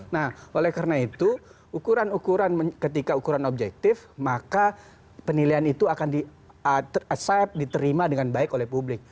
nah oleh karena itu ukuran ukuran ketika ukuran objektif maka penilaian itu akan diterima dengan baik oleh publik